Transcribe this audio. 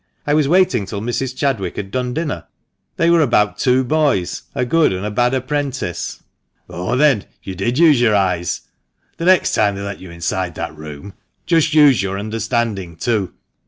I was waiting till Mrs. Chad wick had done dinner. They were about two boys — a good and a bad apprentice." "Oh, then, you did use your eyes? The next time they let you inside that room, just use your understanding, too.